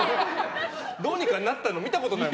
どうにかなったの見たことない。